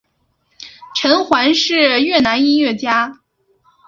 陈桓是越南音乐家。